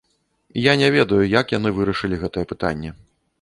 Я не ведаю, як яны вырашылі гэтае пытанне.